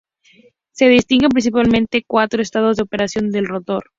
Se distinguen principalmente cuatro estados de operación del rotor.